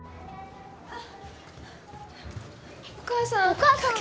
お母さん。